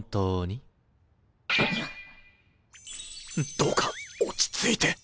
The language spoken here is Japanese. どうか落ち着いて